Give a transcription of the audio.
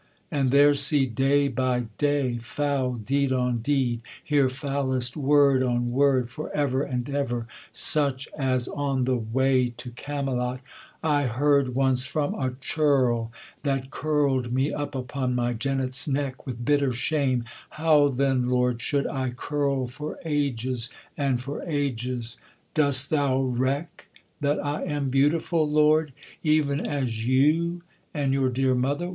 and there see day by day Foul deed on deed, hear foulest word on word, For ever and ever, such as on the way To Camelot I heard once from a churl, That curled me up upon my jennet's neck With bitter shame; how then, Lord, should I curl For ages and for ages? dost thou reck That I am beautiful, Lord, even as you And your dear mother?